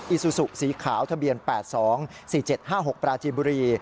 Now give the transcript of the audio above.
ซูซุสีขาวทะเบียน๘๒๔๗๕๖ปราจีบุรี